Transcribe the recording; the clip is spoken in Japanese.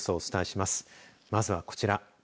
まずは、こちら。